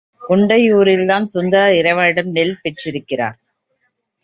குண்டையூரில்தான் சுந்தரர் இறைவனிடம் நெல் பெற்றிருக்கிறார்.